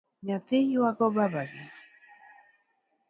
Nyathi yuago babagi?